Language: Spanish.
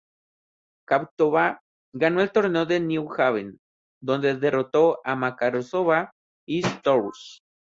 Kvitová ganó el torneo de New Haven, donde derrotó a Makarova y Stosur.